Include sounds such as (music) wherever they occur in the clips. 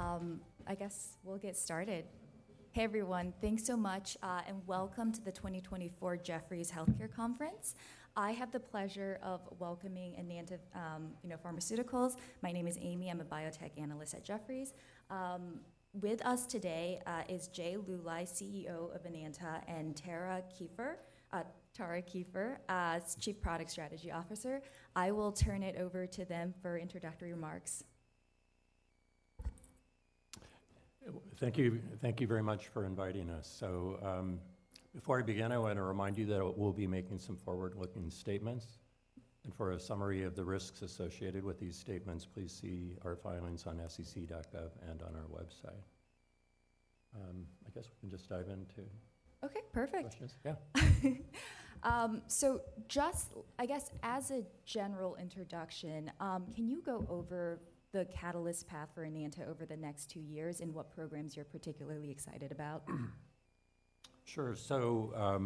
Perfect. I guess we'll get started. Hey, everyone. Thanks so much, and welcome to the 2024 Jefferies Healthcare Conference. I have the pleasure of welcoming Enanta, you know, Pharmaceuticals. My name is Amy. I'm a biotech analyst at Jefferies. With us today is Jay Luly, CEO of Enanta, and Tara Kieffer, Tara Kieffer, as Chief Product Strategy Officer. I will turn it over to them for introductory remarks. Thank you. Thank you very much for inviting us. Before I begin, I want to remind you that we'll be making some forward-looking statements, and for a summary of the risks associated with these statements, please see our filings on sec.gov and on our website. I guess we can just dive into- Okay, perfect. Questions. Yeah. So just, I guess, as a general introduction, can you go over the catalyst path for Enanta over the next two years and what programs you're particularly excited about? Sure. So,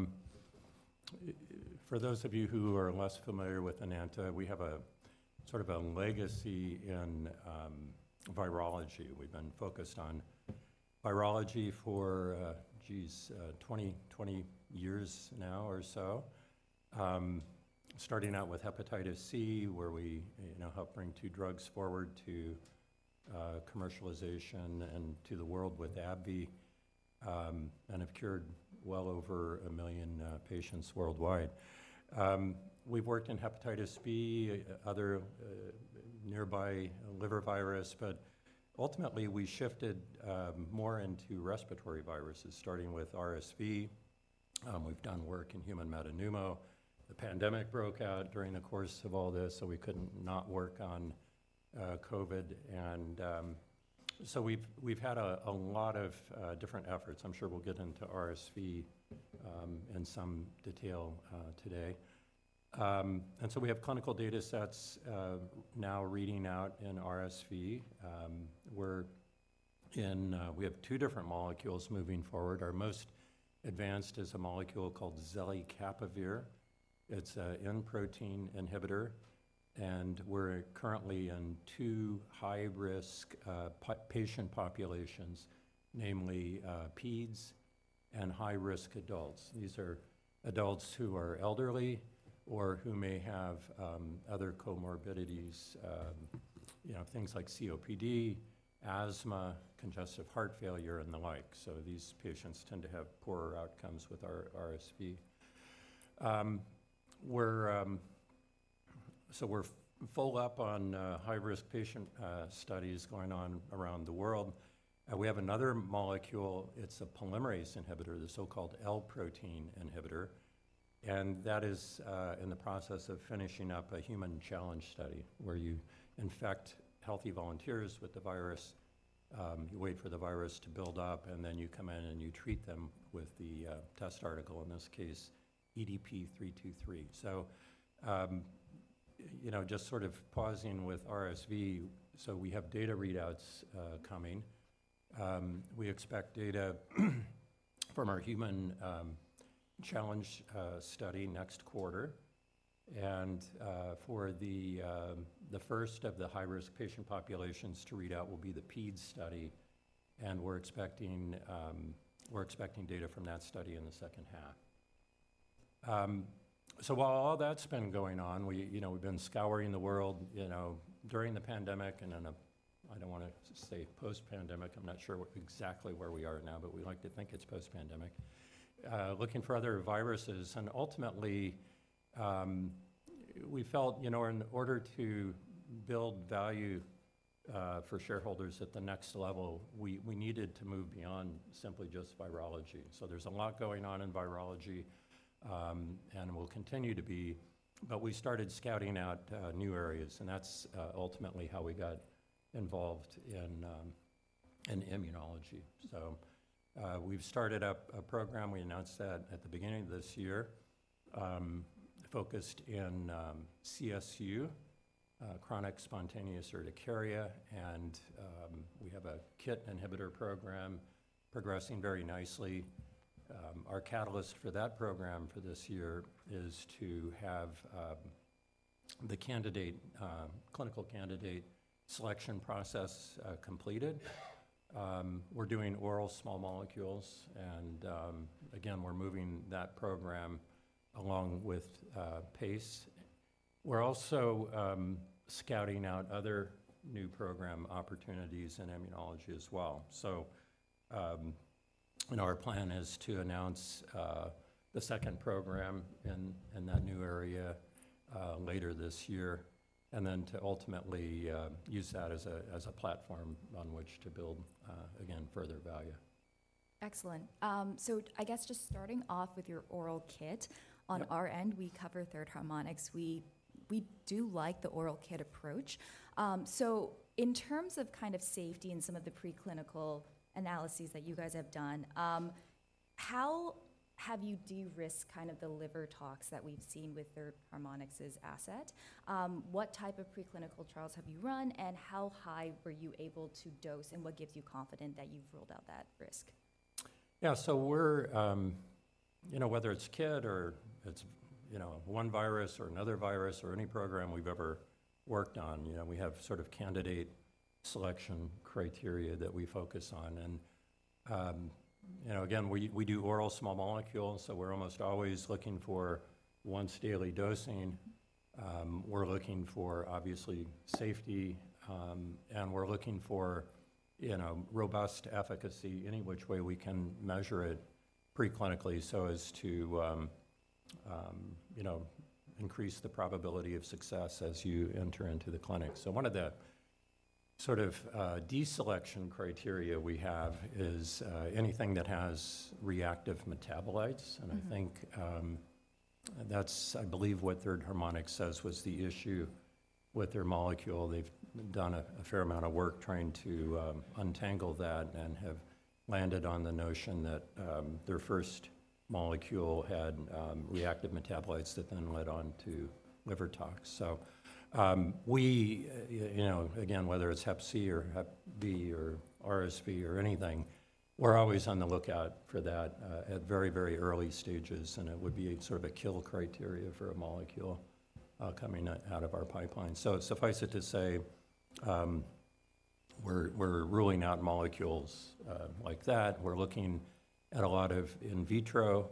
for those of you who are less familiar with Enanta, we have a sort of a legacy in virology. We've been focused on virology for, geez, 20 years now or so. Starting out with hepatitis C, where we, you know, helped bring two drugs forward to commercialization and to the world with AbbVie, and have cured well over 1 million patients worldwide. We've worked in hepatitis B, other nearby liver virus, but ultimately, we shifted more into respiratory viruses, starting with RSV. We've done work in human metapneumovirus. The pandemic broke out during the course of all this, so we couldn't not work on COVID, and so we've had a lot of different efforts. I'm sure we'll get into RSV in some detail today. And so we have clinical data sets now reading out in RSV. We're in. We have two different molecules moving forward. Our most advanced is a molecule called zelicapavir. It's a N protein inhibitor, and we're currently in two high-risk patient populations, namely, peds and high-risk adults. These are adults who are elderly or who may have other comorbidities, you know, things like COPD, asthma, congestive heart failure, and the like. So these patients tend to have poorer outcomes with our RSV. So we're full up on high-risk patient studies going on around the world. We have another molecule. It's a polymerase inhibitor, the so-called L protein inhibitor, and that is in the process of finishing up a human challenge study, where you infect healthy volunteers with the virus, you wait for the virus to build up, and then you come in and you treat them with the test article, in this case, EDP-323. So, you know, just sort of pausing with RSV, so we have data readouts coming. We expect data from our human challenge study next quarter, and for the first of the high-risk patient populations to read out will be the Peds study, and we're expecting, we're expecting data from that study in the second half. So while all that's been going on, we, you know, we've been scouring the world, you know, during the pandemic and then, I don't want to say post-pandemic, I'm not sure exactly where we are now, but we like to think it's post-pandemic, looking for other viruses, and ultimately, we felt, you know, in order to build value, for shareholders at the next level, we, we needed to move beyond simply just virology. So there's a lot going on in virology, and will continue to be, but we started scouting out, new areas, and that's, ultimately how we got involved in, in immunology. So, we've started up a program, we announced that at the beginning of this year, focused in, CSU, chronic spontaneous urticaria, and, we have a KIT inhibitor program progressing very nicely. Our catalyst for that program for this year is to have the candidate clinical candidate selection process completed. We're doing oral small molecules, and again, we're moving that program along with pace. We're also scouting out other new program opportunities in immunology as well. So, and our plan is to announce the second program in that new area later this year, and then to ultimately use that as a platform on which to build again, further value. Excellent. So I guess just starting off with your oral KIT. On our end, we cover Third Harmonic Bio. We do like the oral KIT approach. So in terms of kind of safety and some of the preclinical analyses that you guys have done, how have you de-risked kind of the liver tox that we've seen with Third Harmonic Bio's asset? What type of preclinical trials have you run, and how high were you able to dose, and what gives you confident that you've ruled out that risk? Yeah, so we're, you know, whether it's KIT or it's, you know, one virus or another virus or any program we've ever worked on, you know, we have sort of candidate selection criteria that we focus on. And, you know, again, we do oral small molecules, so we're almost always looking for once-daily dosing. We're looking for, obviously, safety, and we're looking for, you know, robust efficacy, any which way we can measure it pre-clinically, so as to, you know, increase the probability of success as you enter into the clinic. So one of the sort of deselection criteria we have is anything that has reactive metabolites. I think, that's, I believe, what Third Harmonic says was the issue with their molecule. They've done a fair amount of work trying to untangle that and have landed on the notion that their first molecule had reactive metabolites that then led on to liver tox. So, you know, again, whether it's hep C or hep B or RSV or anything, we're always on the lookout for that at very, very early stages, and it would be a sort of a kill criteria for a molecule coming out of our pipeline. So suffice it to say, we're ruling out molecules like that. We're looking at a lot of in vitro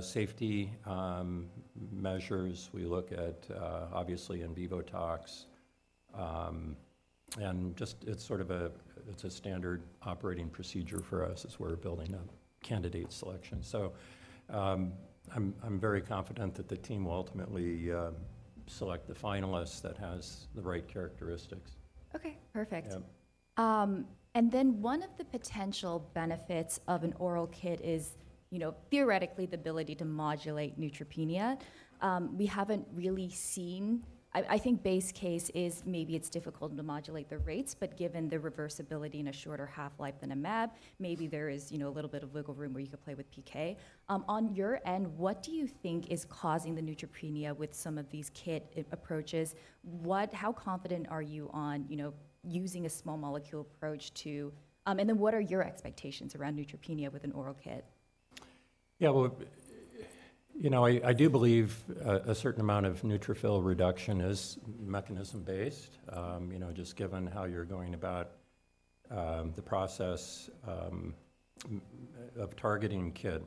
safety measures. We look at, obviously, in vivo tox, and just it's sort of a—it's a standard operating procedure for us as we're building a candidate selection. So, I'm very confident that the team will ultimately select the finalist that has the right characteristics. Okay, perfect. And then one of the potential benefits of an oral KIT is, you know, theoretically, the ability to modulate neutropenia. We haven't really seen... I, I think base case is maybe it's difficult to modulate the rates, but given the reversibility and a shorter half-life than a mAb, maybe there is, you know, a little bit of wiggle room where you could play with PK. On your end, what do you think is causing the neutropenia with some of these KIT approaches? What-- How confident are you on, you know, using a small molecule approach to... And then what are your expectations around neutropenia with an oral KIT? Yeah, well, you know, I do believe a certain amount of neutrophil reduction is mechanism-based. You know, just given how you're going about the process of targeting KIT,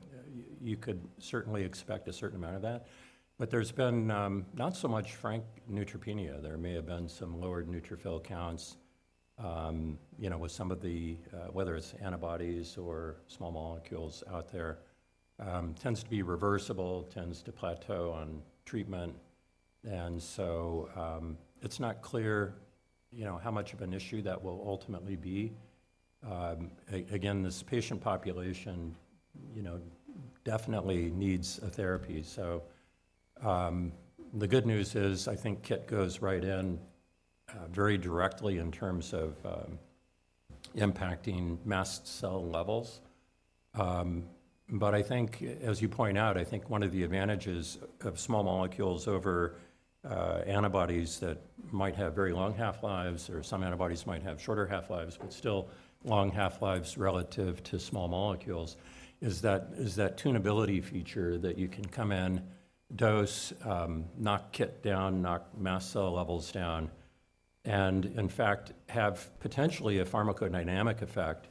you could certainly expect a certain amount of that. But there's been not so much frank neutropenia. There may have been some lowered neutrophil counts, you know, with some of the whether it's antibodies or small molecules out there. Tends to be reversible, tends to plateau on treatment, and so, it's not clear, you know, how much of an issue that will ultimately be. Again, this patient population, you know, definitely needs a therapy. So, the good news is, I think KIT goes right in very directly in terms of impacting mast cell levels. But I think, as you point out, I think one of the advantages of small molecules over antibodies that might have very long half-lives, or some antibodies might have shorter half-lives, but still long half-lives relative to small molecules, is that, is that tunability feature that you can come in, dose, knock KIT down, knock mast cell levels down, and in fact, have potentially a pharmacodynamic effect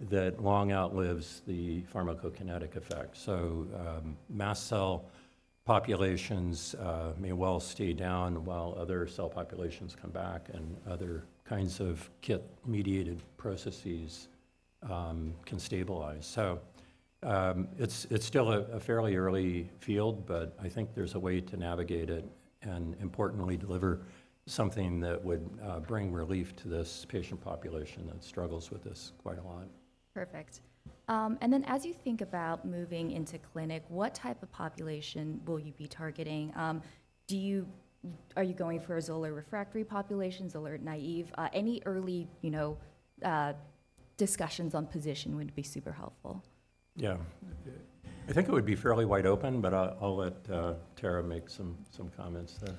that long outlives the pharmacokinetic effect. So, mast cell populations may well stay down while other cell populations come back, and other kinds of KIT-mediated processes can stabilize. So, it's, it's still a, a fairly early field, but I think there's a way to navigate it, and importantly, deliver something that would bring relief to this patient population that struggles with this quite a lot. Perfect. And then as you think about moving into clinic, what type of population will you be targeting? Are you going for a Xolair-refractory population, Xolair-naive? Any early, you know, discussions on position would be super helpful. Yeah. I think it would be fairly wide open, but I'll let Tara make some comments there.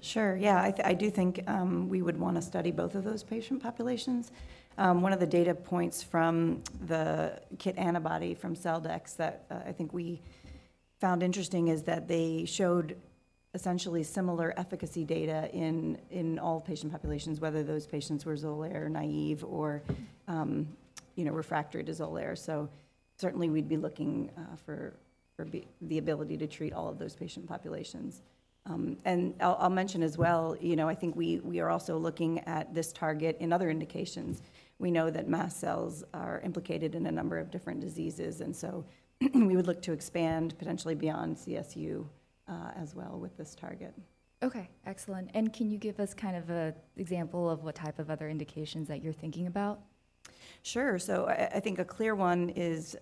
Sure. Yeah, I do think we would wanna study both of those patient populations. One of the data points from the KIT antibody from Celldex that I think we found interesting is that they showed essentially similar efficacy data in all patient populations, whether those patients were Xolair-naive or, you know, refractory to Xolair. So certainly, we'd be looking for the ability to treat all of those patient populations. And I'll mention as well, you know, I think we are also looking at this target in other indications. We know that mast cells are implicated in a number of different diseases, and so we would look to expand potentially beyond CSU as well with this target. Okay, excellent. Can you give us kind of an example of what type of other indications that you're thinking about? Sure. So I think a clear one is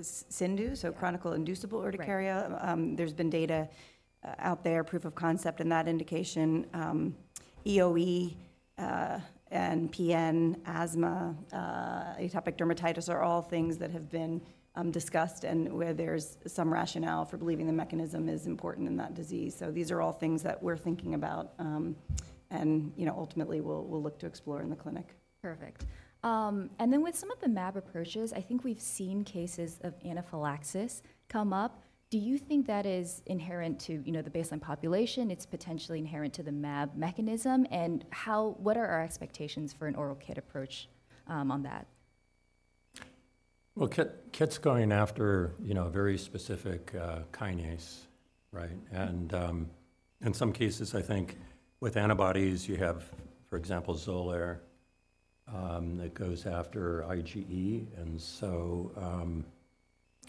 CIndU, so chronic inducible urticaria. There's been data out there, proof of concept in that indication. EoE, and PN, asthma, atopic dermatitis are all things that have been discussed and where there's some rationale for believing the mechanism is important in that disease. So these are all things that we're thinking about, and, you know, ultimately we'll look to explore in the clinic. Perfect. And then with some of the mAb approaches, I think we've seen cases of anaphylaxis come up. Do you think that is inherent to, you know, the baseline population, it's potentially inherent to the mAb mechanism? And how—what are our expectations for an oral KIT approach, on that? Well, KIT, KIT's going after, you know, a very specific kinase, right? And, in some cases, I think with antibodies you have, for example, Xolair, that goes after IgE. And so,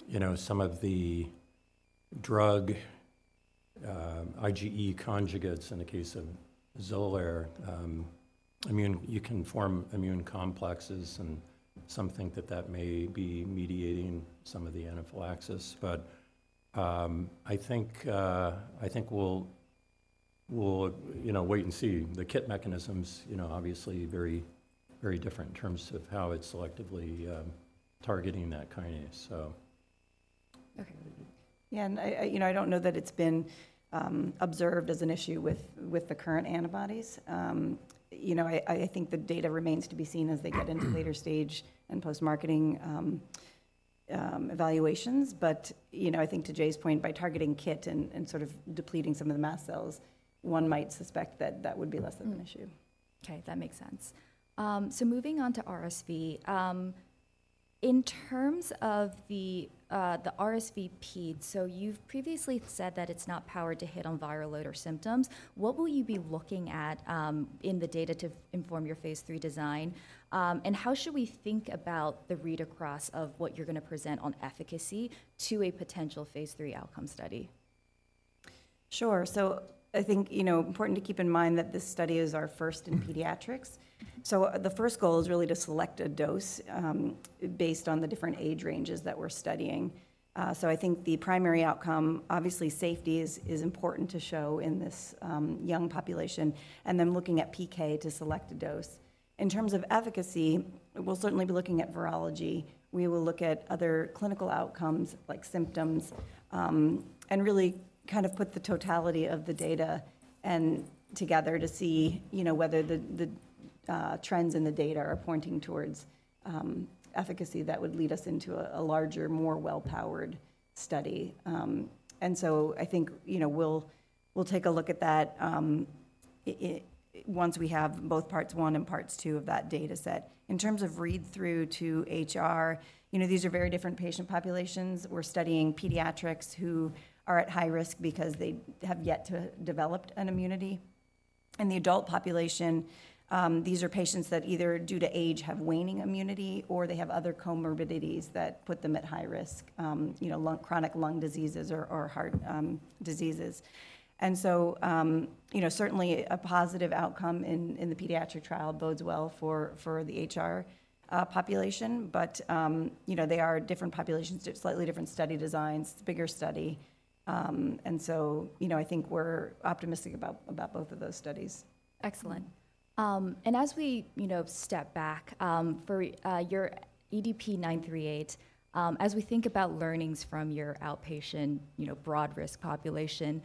you know, some of the drug IgE conjugates in the case of Xolair. You can form immune complexes, and some think that that may be mediating some of the anaphylaxis. But, I think we'll, you know, wait and see. The KIT mechanism's, you know, obviously very, very different in terms of how it's selectively targeting that kinase, so. Okay. Yeah, and you know, I don't know that it's been observed as an issue with the current antibodies. You know, I think the data remains to be seen as they get into later stage and post-marketing evaluations. But, you know, I think to Jay's point, by targeting KIT and sort of depleting some of the mast cells, one might suspect that that would be less than an issue. Okay, that makes sense. So moving on to RSV. In terms of the RSVPEDs, so you've previously said that it's not powered to hit on viral load or symptoms. What will you be looking at in the data to inform your phase III design? And how should we think about the read-across of what you're gonna present on efficacy to a potential phase III outcome study? Sure. So I think, you know, it's important to keep in mind that this study is our first in pediatrics. So the first goal is really to select a dose, based on the different age ranges that we're studying. So I think the primary outcome, obviously safety is important to show in this young population, and then looking at PK to select a dose. In terms of efficacy, we'll certainly be looking at virology. We will look at other clinical outcomes, like symptoms, and really kind of put the totality of the data together to see, you know, whether the trends in the data are pointing towards efficacy that would lead us into a larger, more well-powered study. And so I think, you know, we'll take a look at that once we have both parts one and parts two of that data set. In terms of read-through to HR, you know, these are very different patient populations. We're studying pediatrics who are at high risk because they have yet to develop an immunity. In the adult population, these are patients that either, due to age, have waning immunity or they have other comorbidities that put them at high risk, you know, lung, chronic lung diseases or, or heart, diseases. And so, you know, certainly a positive outcome in, in the pediatric trial bodes well for, for the HR, population. But, you know, they are different populations, slightly different study designs, bigger study. And so, you know, I think we're optimistic about, about both of those studies. Excellent. And as we, you know, step back, for your EDP-938, as we think about learnings from your outpatient, you know, broad risk population,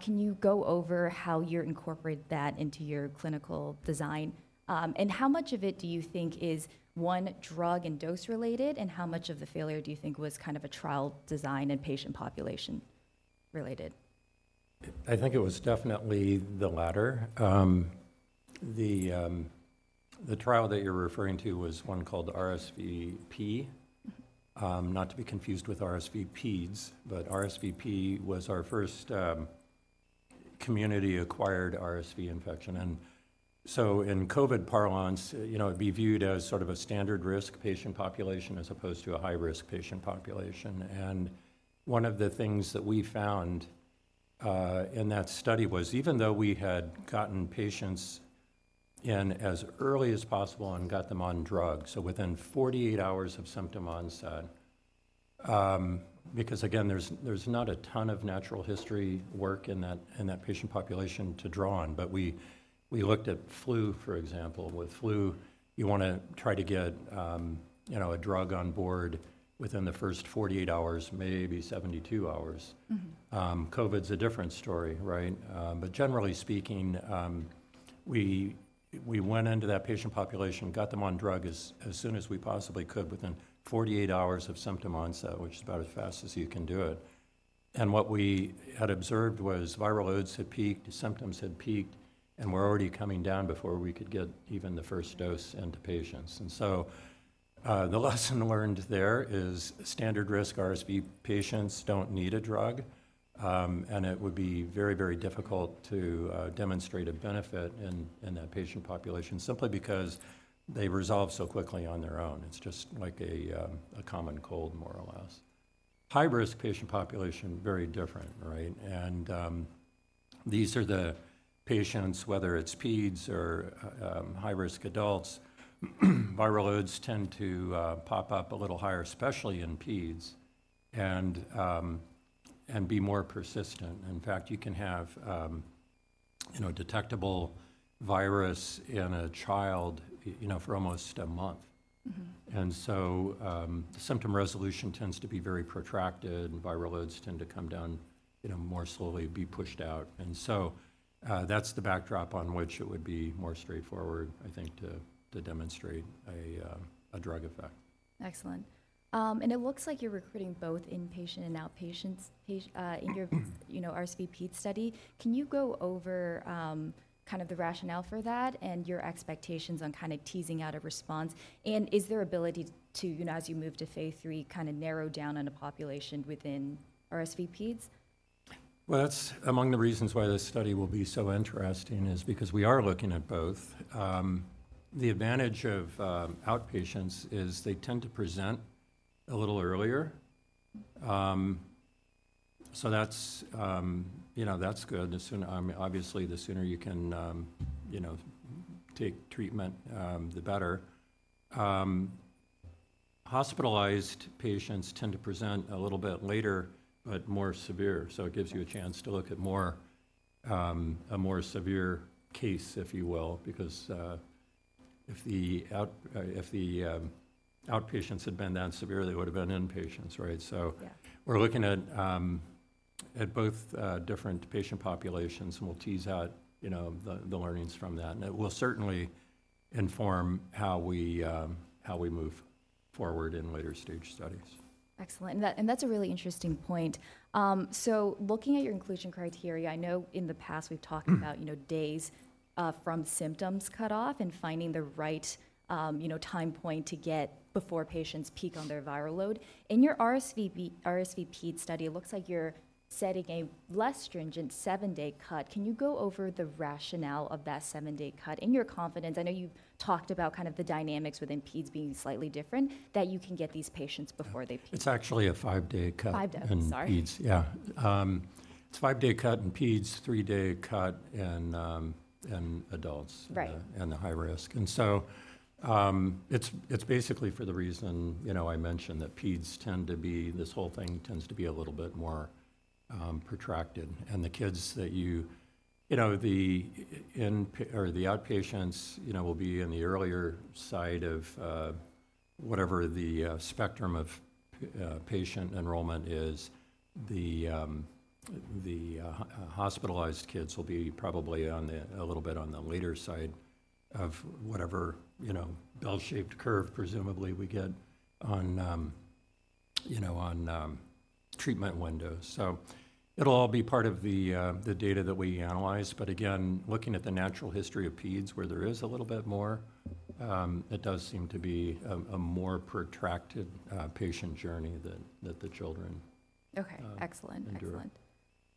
can you go over how you're incorporating that into your clinical design? And how much of it do you think is, one, drug and dose-related, and how much of the failure do you think was kind of a trial design and patient population-related? I think it was definitely the latter. The trial that you're referring to was one called RSVP, not to be confused with RSVPEDs, but RSVP was our first community-acquired RSV infection. And so in COVID parlance, you know, it'd be viewed as sort of a standard risk patient population as opposed to a high-risk patient population. And one of the things that we found in that study was, even though we had gotten patients in as early as possible and got them on drugs, so within 48 hours of symptom onset. Because, again, there's not a ton of natural history work in that patient population to draw on, but we looked at flu, for example. With flu, you want to try to get, you know, a drug on board within the first 48 hours, maybe 72 hours. COVID's a different story, right? But generally speaking, we, we went into that patient population, got them on drug as soon as we possibly could, within 48 hours of symptom onset, which is about as fast as you can do it. And what we had observed was viral loads had peaked, symptoms had peaked, and were already coming down before we could get even the first dose into patients. And so, the lesson learned there is standard-risk RSV patients don't need a drug, and it would be very, very difficult to demonstrate a benefit in that patient population simply because they resolve so quickly on their own. It's just like a common cold, more or less. High-risk patient population, very different, right? These are the patients, whether it's peds or high-risk adults, viral loads tend to pop up a little higher, especially in peds, and be more persistent. In fact, you can have, you know, detectable virus in a child, you know, for almost a month. And so symptom resolution tends to be very protracted, and viral loads tend to come down, you know, more slowly, be pushed out. That's the backdrop on which it would be more straightforward, I think, to demonstrate a drug effect. Excellent. And it looks like you're recruiting both inpatient and outpatients, you know, RSV ped study. Can you go over, kind of the rationale for that and your expectations on kind of teasing out a response? And is there ability to, you know, as you move to phase III, kind of narrow down on a population within RSVPEDs? Well, that's among the reasons why this study will be so interesting, is because we are looking at both. The advantage of outpatients is they tend to present a little earlier. So that's, you know, that's good. The sooner obviously, the sooner you can, you know, take treatment, the better. Hospitalized patients tend to present a little bit later but more severe, so it gives you a chance to look at more, a more severe case, if you will, because, if the outpatients had been that severe, they would've been inpatients, right? So we're looking at both different patient populations, and we'll tease out, you know, the learnings from that. It will certainly inform how we move forward in later-stage studies. Excellent, and that, and that's a really interesting point. So looking at your inclusion criteria, I know in the past we've talked about you know, days from symptoms cut off and finding the right, you know, time point to get before patients peak on their viral load. In your RSVPEDs study, it looks like you're setting a less stringent seven-day cut. Can you go over the rationale of that seven-day cut and your confidence? I know you've talked about kind of the dynamics within peds being slightly different, that you can get these patients before they peak. It's actually a five-day cut- Five-day, sorry. - in peds. Yeah. It's a five-day cut in peds, three-day cut in, in adults- Right in the high risk. And so, it's basically for the reason, you know, I mentioned, that peds tend to be. This whole thing tends to be a little bit more protracted. And the kids that you know, the inpatients or the outpatients, you know, will be in the earlier side of whatever the spectrum of patient enrollment is. The hospitalized kids will be probably on the a little bit on the later side of whatever, you know, bell-shaped curve, presumably, we get on you know, on treatment windows. So it'll all be part of the data that we analyze, but again, looking at the natural history of peds, where there is a little bit more, it does seem to be a more protracted patient journey than that the children. Okay, excellent (audio distortion)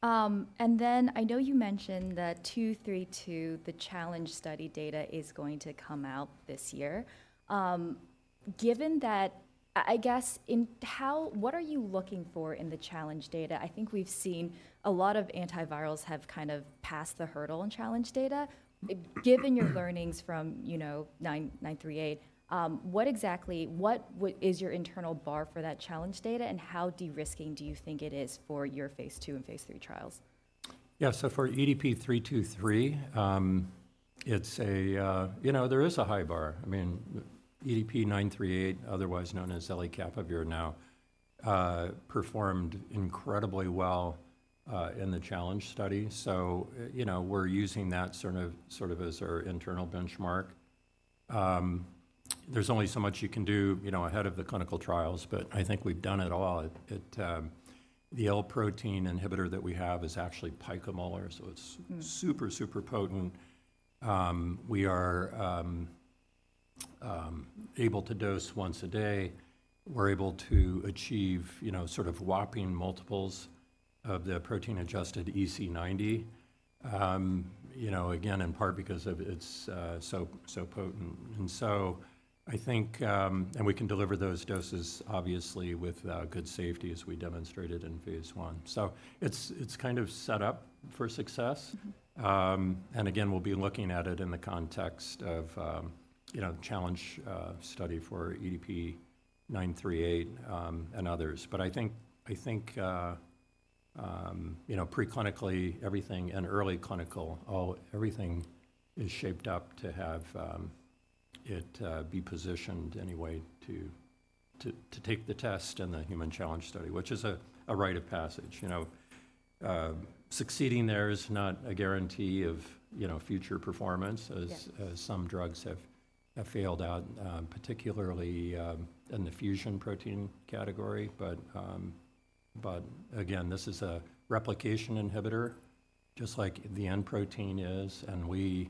Excellent. And then I know you mentioned that 232, the challenge study data, is going to come out this year. Given that... I guess, what are you looking for in the challenge data? I think we've seen a lot of antivirals have kind of passed the hurdle in challenge data. Given your learnings from, you know, 938, what exactly is your internal bar for that challenge data, and how de-risking do you think it is for your phase II and phase III trials? Yeah, so for EDP-323, it's a high bar. I mean, EDP-938, otherwise known as zelicapavir, performed incredibly well in the challenge study, so you know, we're using that sort of, sort of as our internal benchmark. There's only so much you can do, you know, ahead of the clinical trials, but I think we've done it all. It... The L-protein inhibitor that we have is actually picomolar, so it's super, super potent. We are able to dose once a day. We're able to achieve, you know, sort of whopping multiples of the protein-adjusted EC90. You know, again, in part because of its so, so potent. And so I think... And we can deliver those doses, obviously, with good safety, as we demonstrated in phase I. So it's, it's kind of set up for success. And again, we'll be looking at it in the context of, you know, the challenge study for EDP-938, and others. But I think, I think, you know, preclinically, everything in early clinical, all, everything is shaped up to have it be positioned anyway to take the test in the human challenge study, which is a rite of passage. You know, succeeding there is not a guarantee of, you know, future performance, as some drugs have failed out, particularly, in the fusion protein category. But again, this is a replication inhibitor, just like the N protein is, and we,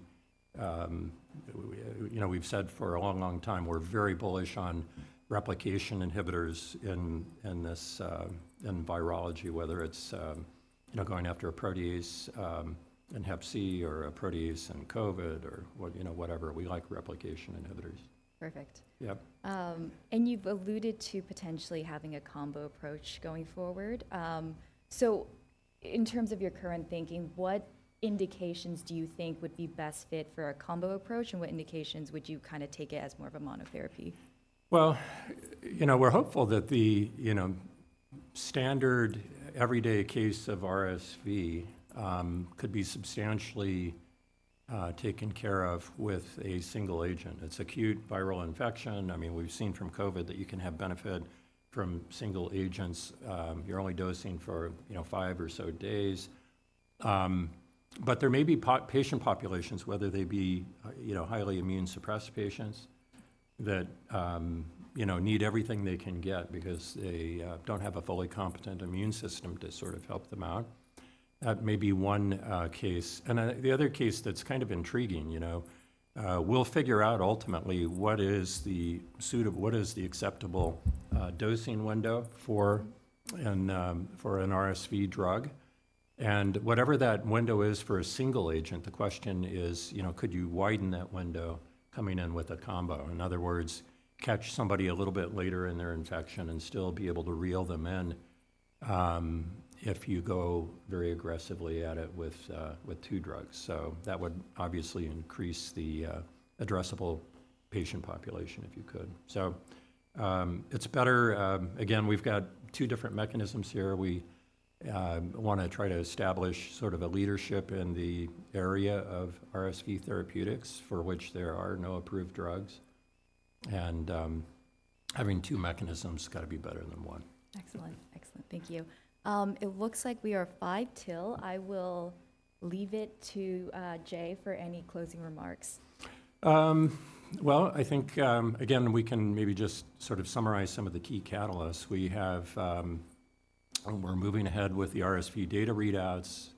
you know, we've said for a long, long time, we're very bullish on replication inhibitors in this, in virology, whether it's, you know, going after a protease, in hep C or a protease in COVID or what, you know, whatever. We like replication inhibitors. Perfect. Yep. You've alluded to potentially having a combo approach going forward. In terms of your current thinking, what indications do you think would be best fit for a combo approach, and what indications would you kind of take it as more of a monotherapy? Well, you know, we're hopeful that the, you know, standard everyday case of RSV, could be substantially, taken care of with a single agent. It's acute viral infection. I mean, we've seen from COVID that you can have benefit from single agents. You're only dosing for, you know, five or so days. But there may be patient populations, whether they be, you know, highly immune-suppressed patients, that, you know, need everything they can get because they, don't have a fully competent immune system to sort of help them out. That may be one, case, and, the other case that's kind of intriguing, you know, we'll figure out ultimately what is the acceptable, dosing window for an, for an RSV drug? And whatever that window is for a single agent, the question is, you know, could you widen that window coming in with a combo? In other words, catch somebody a little bit later in their infection and still be able to reel them in, if you go very aggressively at it with, with two drugs. So that would obviously increase the, addressable patient population if you could. So, it's better... Again, we've got two different mechanisms here. We, wanna try to establish sort of a leadership in the area of RSV therapeutics, for which there are no approved drugs, and, having two mechanisms has gotta be better than one. Excellent. Excellent. Thank you. It looks like we are five till. I will leave it to, Jay, for any closing remarks. Well, I think, again, we can maybe just sort of summarize some of the key catalysts. We have... We're moving ahead with the RSV data readouts,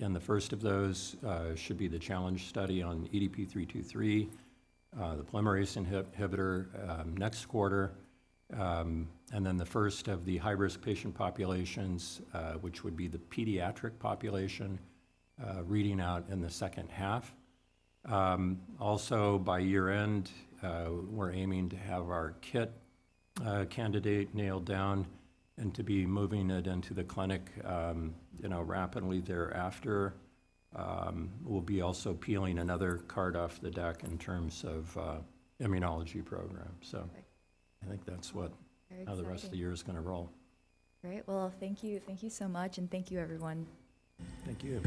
and the first of those should be the challenge study on EDP-323, the polymerase inhibitor, next quarter. And then the first of the high-risk patient populations, which would be the pediatric population, reading out in the second half. Also, by year-end, we're aiming to have our KIT candidate nailed down and to be moving it into the clinic, you know, rapidly thereafter. We'll be also peeling another card off the deck in terms of immunology program. So- Great. I think that's what Very exciting. How the rest of the year is gonna roll. Great. Well, thank you. Thank you so much, and thank you, everyone. Thank you.